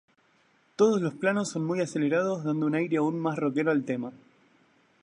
Todos los planos son muy acelerados dando un aire aún más roquero al tema.